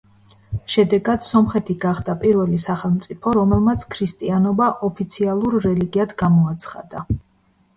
შედეგად სომხეთი გახდა პირველი სახელმწიფო, რომელმაც ქრისტიანობა ოფიციალურ რელიგიად გამოაცხადა.